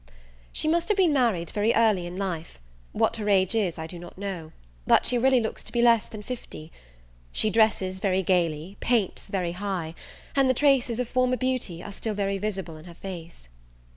She must have been married very early in life: what her age is I do not know; but she really looks to be less than fifty. She dresses very gaily, paints very high, and the traces of former beauty are still very visible in her face.